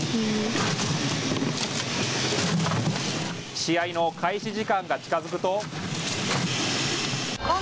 試合の開始時間が近づくと。